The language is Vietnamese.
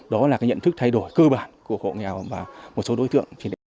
đó là nhận thức thay đổi cơ bản của hộ nghèo và một số đối tượng